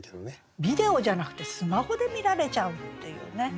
ビデオじゃなくてスマホで見られちゃうっていうね